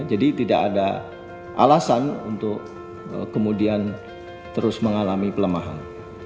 jadi tidak ada alasan untuk kemudian terus mengalami pelemahan